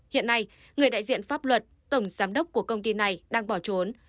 hiện nay người đại diện pháp luật tổng giám đốc của công ty này đang bỏ trốn